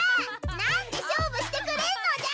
何で勝負してくれんのじゃ！